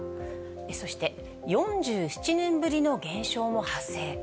そして４７年ぶりの現象も発生。